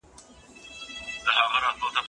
هغه څوک چي انځور ګوري زده کوي؟!